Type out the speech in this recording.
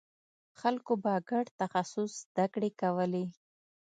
خلکو به ګډ تخصص زدکړې کولې.